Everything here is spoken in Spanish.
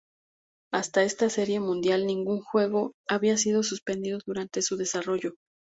Hasta esta Serie Mundial, ningún juego había sido suspendido durante su desarrollo.